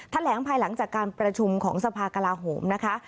แถลงภายหลังจากการประชุมของสภากลาโหมนะคะ